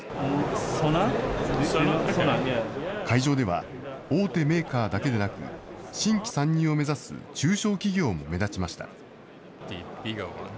会場では、大手メーカーだけでなく、新規参入を目指す中小企業も目立ちました。